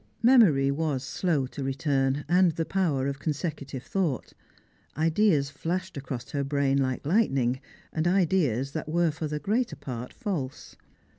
Memory was slow to return, and the power of consecutive thought. Ideas flashed across her brain like lightning, and 370 Strangers ancd Pllgrimg. ideas that were for tlie greater part false.